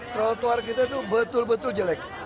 trotoar kita itu betul betul jelek